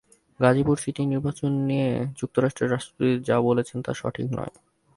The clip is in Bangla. গাজীপুর সিটি নির্বাচন নিয়ে যুক্তরাষ্ট্রের রাষ্ট্রদূত যা বলেছেন তা সঠিক নয়।